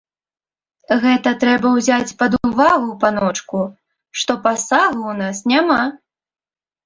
Гэта трэба ўзяць пад увагу, паночку, што пасагу ў нас няма.